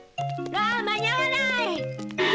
わあ間に合わない！